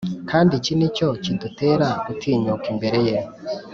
Kandi iki ni cyo kidutera gutinyuka imbere ye: